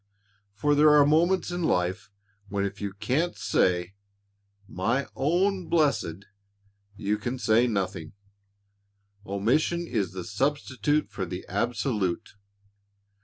For there are moments in life when if you can't say "My own Blessed," you can say nothing omission is the substitute for the absolute.